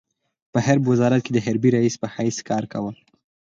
په حرب په وزارت کې د حربي رئيس په حیث کار کاوه.